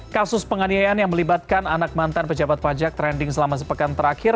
kasus penganiayaan yang melibatkan anak mantan pejabat pajak trending selama sepekan terakhir